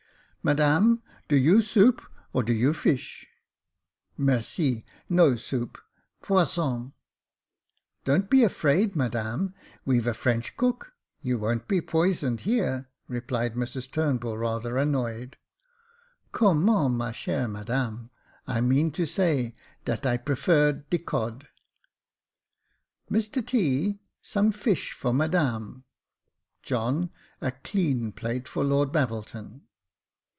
" Madame, do you soup ? or do you fish ?"*' Merci, no soup — polsson.^'' "Don't be afraid, Madame ; we've a French cook ; you won't be poisoned here," replied Mrs Turnbull, rather annoyed. " Comment, my chere Madame, I mean to say dat I prefer de cod." Mr T., some iish for Madame. John, a clean plate for Lord Babbleton.